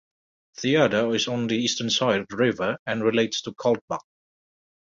The other is on the eastern side of the river and relates to Kaldbak.